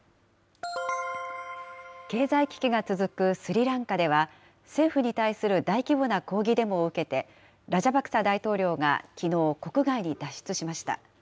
経済危機が続くスリランカでは、政府に対する大規模な抗議デモを受けて、ラジャパクサ大統領がきのう、国外に脱出しました。